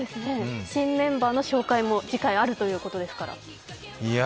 新メンバーの紹介も次回あるということですから。